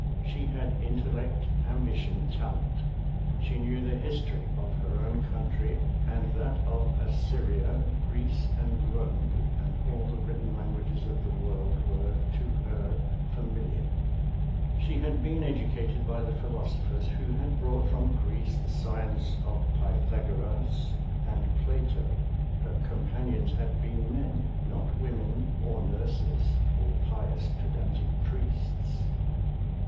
She had intellect, ambition, talent. She knew the history of her own country, and that of Assyria, Greece and Rome; and all the written languages of the world were to her familiar. She had been educated by the philosophers, who had brought from Greece the science of Pythagoras and Plato. Her companions had been men—not women, or nurses, or pious, pedantic priests.